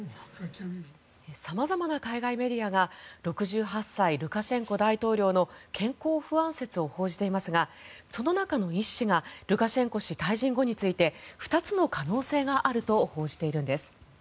様々な海外メディアが６８歳、ルカシェンコ大統領の健康不安説を報じていますがその中の１紙がルカシェンコ氏退陣後について２つの可能性があると報じているんです。